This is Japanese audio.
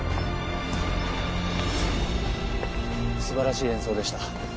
素晴らしい演奏でした。